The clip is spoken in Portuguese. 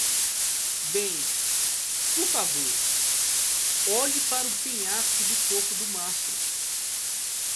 Bem, por favor, olhe para o penhasco do topo do mastro!